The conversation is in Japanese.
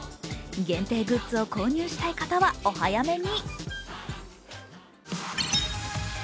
限定グッズを購入したい方はお早めに。